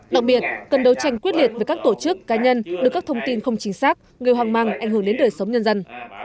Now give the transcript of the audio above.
đặc biệt cần đấu tranh quyết liệt với các tổ chức cá nhân đưa các thông tin không chính xác người hoang mang ảnh hưởng đến đời sống nhân dân